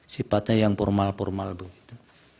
sifatnya yang formal formal begitu